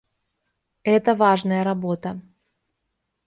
Это важная работа.